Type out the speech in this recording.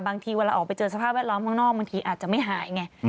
บางทีเวลาออกไปเจอสภาพแวดล้อมข้างนอกบางทีอาจจะไม่หายไง